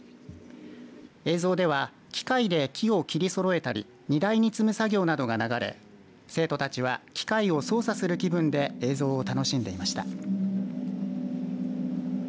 映像では機械で木を切りそろえたり荷台に積む作業などが流れ生徒たちは機械を操作する気分で映像を楽しんでいました。